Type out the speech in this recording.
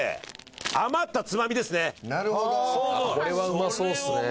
「なるほど」これはうまそうっすね。